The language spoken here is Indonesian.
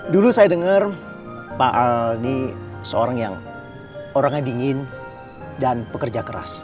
dulu saya dengar pak al ini seorang yang orangnya dingin dan pekerja keras